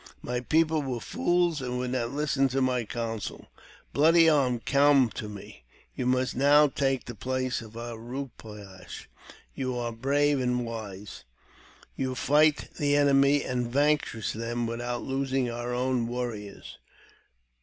My people wer fools, and would not listen to my counsel. Bloody Arm, com to me. You must now take the place of A ra poo ash. Yo are brave and wise. You fight the enemy, and vanquish then without losing our own warriors.